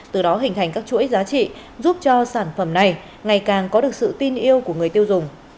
từ đó hình thành các chuỗi giá trị giúp cho sản phẩm này ngày càng có được sự tin yêu của người tiêu dùng